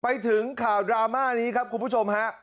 ไปถึงข่าวดราม่านี้ครับคุณผู้ชมฮะ